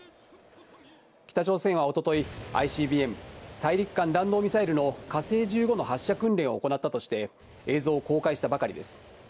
北朝鮮は一昨日、ＩＣＢＭ＝大陸間弾道ミサイルの「火星１５」の発射訓練を行ったとして映像を公開したばかりです。